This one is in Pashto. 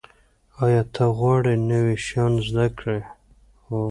ایا ته غواړې نوي شیان زده کړې؟